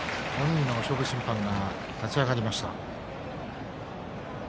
５人の勝負審判が立ち上がりました。